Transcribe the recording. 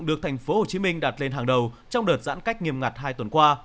được tp hcm đặt lên hàng đầu trong đợt giãn cách nghiêm ngặt hai tuần qua